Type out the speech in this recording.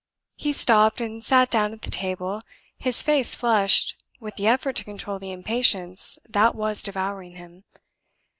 He stopped and sat down at the table, his face flushed with the effort to control the impatience that was devouring him.